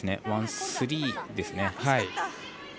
ワン、スリーですね。